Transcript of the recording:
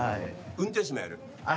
運転手もやる。